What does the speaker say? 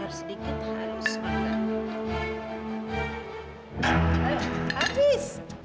biar sedikit halus